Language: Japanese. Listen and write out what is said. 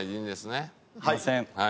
いません。